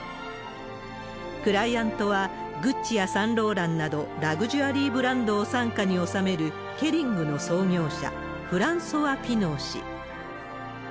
クライアントはグッチやサンローランなど、ラグジュアリーブランドを傘下に収める、ケリングの創業者、フランソワ・ピノー氏。